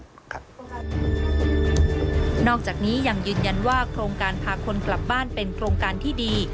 นอกจากนี้ยังยืนยันว่าโครงการพาคนกลับบ้านเป็นโครงการที่ดี